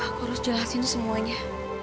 aku harus jelasin semuanya